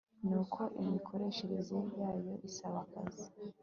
nuko imikoreshereze yayo isaba akazi